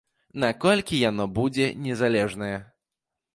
Наколькі яно будзе незалежнае?